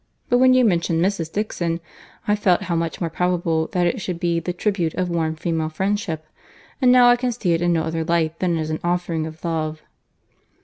But when you mentioned Mrs. Dixon, I felt how much more probable that it should be the tribute of warm female friendship. And now I can see it in no other light than as an offering of love."